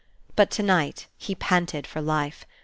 But to night he panted for life.